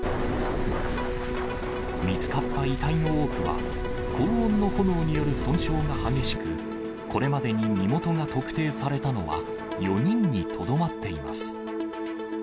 見つかった遺体の多くは、高温の炎による損傷が激しく、これまでに身元が特定されたのは、４人にとどまっています。